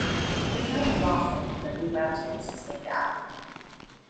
The town of Lawson in the Blue Mountains is named after him.